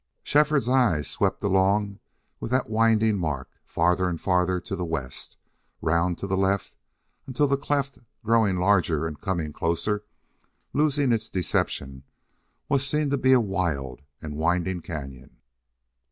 Shefford's eye swept along with that winding mark, farther and farther to the west, round to the left, until the cleft, growing larger and coming closer, losing its deception, was seen to be a wild and winding cañon.